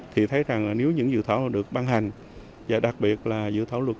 thì thấy rằng nếu những dự án luật được ban hành và đặc biệt là dự án luật